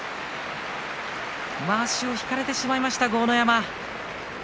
まわしを引かれてしまいました豪ノ山。